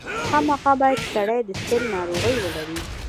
خامخا باید سړی د سِل ناروغي ولري.